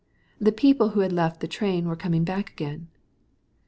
The crowd who had left the train were running back again.